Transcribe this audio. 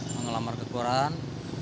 mengelamar ke koran